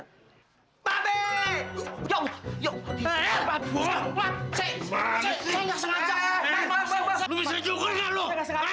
lupa lupa lupa lupa lupa lupa lupa lupa lupa lupa lupa lupa lupa lupa lupa lupa